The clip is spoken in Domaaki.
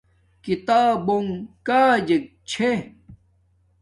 کتبونگ کاجک چھے